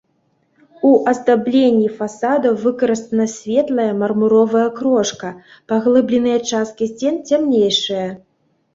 У аздабленні фасадаў выкарыстана светлая мармуровая крошка, паглыбленыя часткі сцен цямнейшыя.